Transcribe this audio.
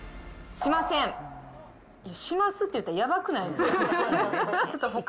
しますって言うたらやばくないですか？